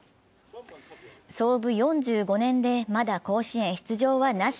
創部４５年で、まだ甲子園出場はなし。